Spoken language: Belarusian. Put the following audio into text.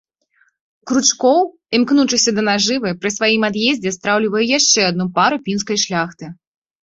Кручкоў, імкнучыся да нажывы, пры сваім ад'ездзе страўлівае яшчэ адну пару пінскай шляхты.